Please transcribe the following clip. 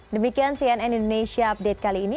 demikian cnn indonesia update kali ini